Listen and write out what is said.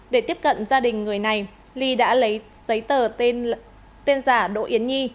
để tiếp cận gia đình người này ly đã lấy giấy tờ tên giả đỗ yến nhi